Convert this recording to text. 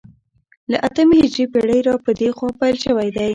له اتمې هجرې پېړۍ را په دې خوا پیل شوی دی